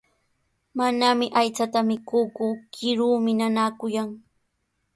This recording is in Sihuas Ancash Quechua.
Manami aychata mikuuku, kiruumi nanaakullan.